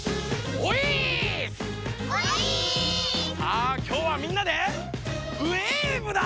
おいっすー！さあきょうはみんなでウエーブだ！